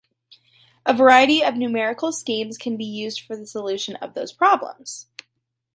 A variety of numerical schemes can be used for the solution of those problems.